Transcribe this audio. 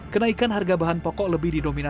kenaikan harga bahan pokok lebih didominasi